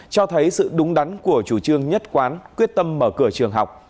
cho thấy sự đúng đắn của chủ trương nhất quán quyết tâm mở cửa trường học